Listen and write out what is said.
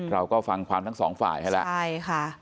เราก็ฟังความทั้งสองฝ่ายให้แล้วใช่ค่ะ